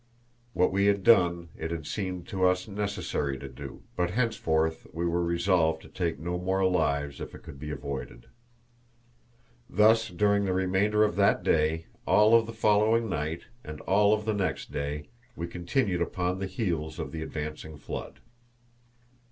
What we had done it had seemed to us necessary to do, but henceforth we were resolved to take no more lives if it could be avoided. Thus, during the remainder of that day, all of the following night and all of the next day, we continued upon the heels of the advancing flood.